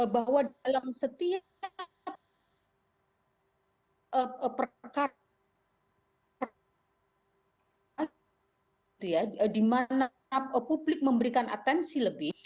bahwa dalam setiap perkara di mana publik memberikan atensi lebih